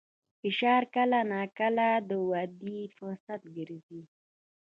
فشار کله ناکله د ودې فرصت ګرځي.